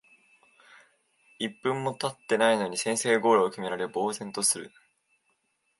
一分もたってないのに先制ゴールを決められ呆然とする